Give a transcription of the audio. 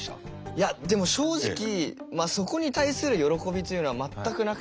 いやでも正直そこに対する喜びというのは全くなくて。